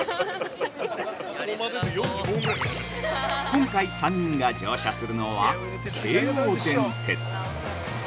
◆今回３人が乗車するのは京王電鉄。